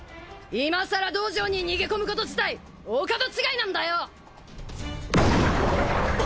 いまさら道場に逃げ込むこと自体お門違いなんだよ！